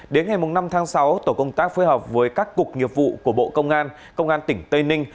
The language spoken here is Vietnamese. đến ngày năm tháng sáu tổ công tác phối hợp với các cục nghiệp vụ của bộ công an công an tỉnh tây ninh